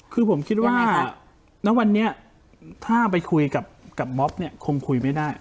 คือผมคิดว่านับวันนี้ถ้าไปคุยกับบ๊อคคงคุยไม่ได้